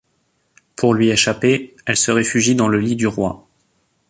Pour lui échapper, elle se réfugie dans le lit du roi.